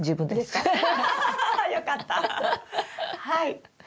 はい。